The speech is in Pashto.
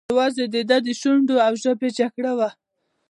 یوازې د ده د شونډو او ژبې جګړه وه.